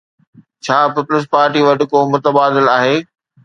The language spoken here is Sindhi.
ڇا پيپلز پارٽي وٽ ڪو متبادل آهي؟